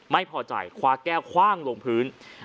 ไม่พอใจคว้าแก้วคว่างลงพื้น